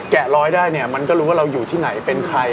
ร้อยได้เนี่ยมันก็รู้ว่าเราอยู่ที่ไหนเป็นใคร